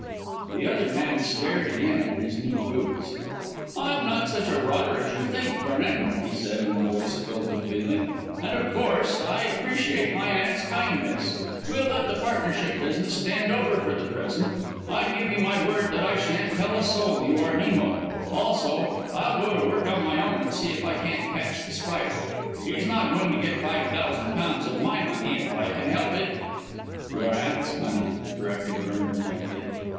The other man stared again at his neat boots. "I'm not such a rotter as you think, Vernon," he said, in a voice filled with feeling; "and, of course, I appreciate my aunt's kindness. We'll let the partnership business stand over for the present. I give you my word that I shan't tell a soul you are Nemo. Also, I'll go to work on my own, and see if I can't catch The Spider. He's not going to get five thousand pounds of my money if I can help it." "Your aunt's money," corrected Vernon gently.